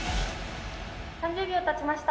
３０秒たちました。